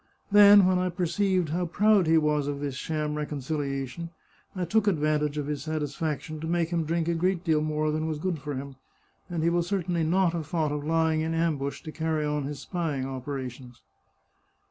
Then, when I perceived how proud he was of this sham reconciliation, I took advantage of his satis faction to make him drink a great deal more than was good for him, and he will certainly not have thought of lying in ambush to carry on his spying operations."